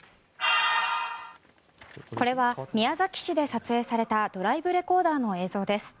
これは宮崎市で撮影されたドライブレコーダーの映像です。